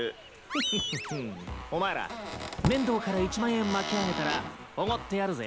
フッフッフッフお前ら面堂から１万円巻き上げたらおごってやるぜ。